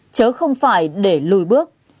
chớ không phải để lùi bước